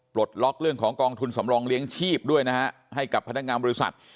ปลดล็อกเรื่องของกองทุนสำรองเลี้ยงชีพด้วยนะฮะให้กับพนักงานบริษัท